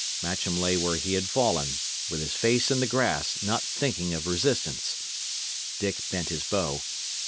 Matcham lay where he had fallen, with his face in the grass, not thinking of resistance. Dick bent his bow.